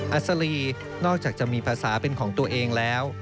อัศรีนอกจากจะมีภาษาเป็นของตัวเองแล้ว